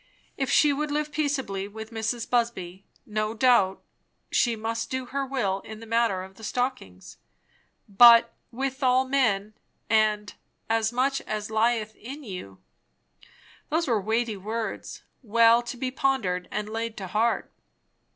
If she would live peaceably with Mrs. Busby, no doubt she must do her will in the matter of the stockings. But "with all men," and "as much as lieth in you"; those were weighty words, well to be pondered and laid to heart.